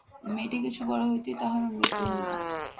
মেয়েটি কিছু বড়ো হইতেই তাহারও মৃত্যু হইল।